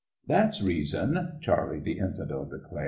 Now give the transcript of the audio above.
"That's reason" Charlie the Infidel declared.